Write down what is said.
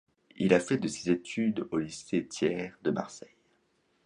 Il a fait ses études au lycée Thiers de Marseille.